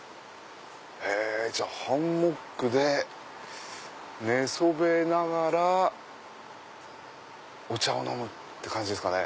じゃあハンモックで寝そべりながらお茶を飲むって感じですかね。